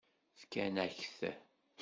Fkan-ak-t.